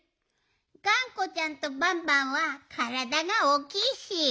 がんこちゃんとバンバンはからだがおおきいし。